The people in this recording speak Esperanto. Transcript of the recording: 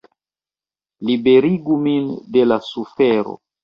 Liberigu min de la sufero!